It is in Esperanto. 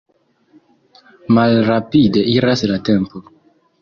Malrapide iras la tempo.